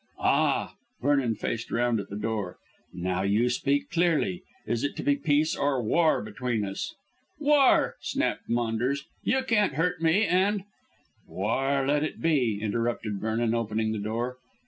"Ah!" Vernon faced round at the door. "Now you speak clearly. Is it to be peace or war between us?" "War," snapped Maunders. "You can't hurt me and " "War let it be," interrupted Vernon, opening the door.